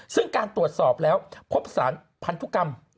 ซึ่งการตรวจสอบแล้วพบสารพันธุกรรม